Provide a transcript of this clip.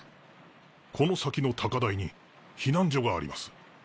この先の高台に避難所があります。